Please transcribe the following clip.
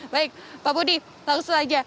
baik pak budi langsung saja